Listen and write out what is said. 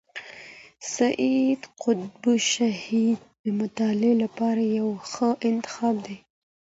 سید قطب شهید د مطالعې لپاره یو ښه انتخاب دی.